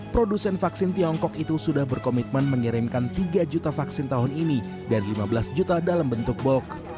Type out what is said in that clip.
produsen vaksin tiongkok itu sudah berkomitmen mengirimkan tiga juta vaksin tahun ini dan lima belas juta dalam bentuk bulk